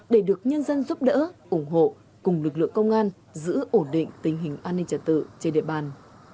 để được nhân dân giúp đỡ ủng hộ cùng lực lượng công an giữ ổn định tình hình an ninh trật tự trên địa bàn